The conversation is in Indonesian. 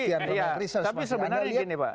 tapi sebenarnya begini pak